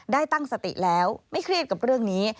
ตั้งสติแล้วไม่เครียดกับเรื่องนี้